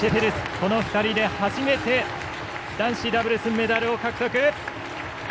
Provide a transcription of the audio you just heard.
この２人で初めて男子ダブルス、メダルを獲得。